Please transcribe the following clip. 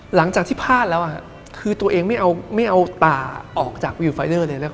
หลังจากที่พลาดแล้วคือตัวเองไม่เอาตาออกจากวิวไฟด้อเลย